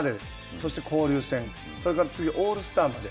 そして交流戦、それから次、オールスターまで。